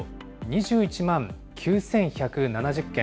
２１万９１７０件。